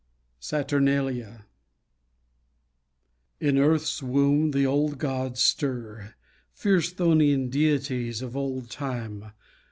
SATURNALIA In earth's womb the old gods stir, Fierce chthonian dieties of old time.